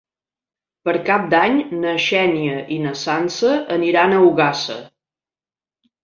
Per Cap d'Any na Xènia i na Sança aniran a Ogassa.